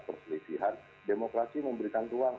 perselisihan demokrasi memberikan ruang